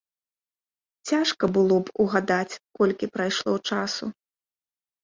Цяжка было б угадаць, колькі прайшло часу.